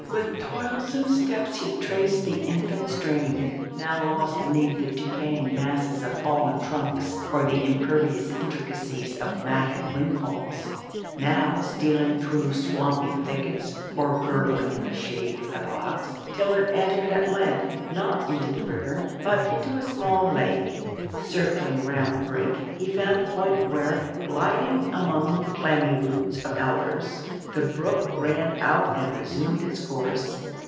"With toilsome steps he traced the infant stream, now lost beneath the decaying masses of fallen trunks or the impervious intricacies of matted windfalls, now stealing through swampy thickets or gurgling in the shade of rocks, till it entered at length, not into the river, but into a small lake. Circling around the brink, he found the point where, gliding among clammy roots of alders, the brook ran out and resumed its course."